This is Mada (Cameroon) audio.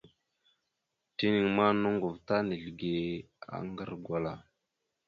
Tenaŋ ma, noŋgov ta nizləge aŋgar gwala.